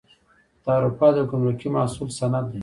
تعرفه د ګمرکي محصول سند دی